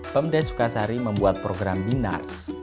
pemdes sukasari membuat program minars